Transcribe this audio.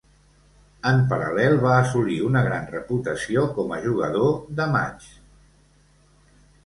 En paral·lel, va assolir una gran reputació com a jugador de matxs.